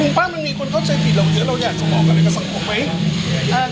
ป้ามันมีคนเข้าใจผิดเราเยอะเราอยากจะบอกอะไรกับสังคมไหม